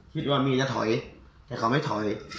คิดว่ามีจะถอยแต่เขาไม่ถอย